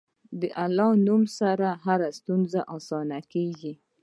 د الله نوم سره هره ستونزه اسانه کېږي.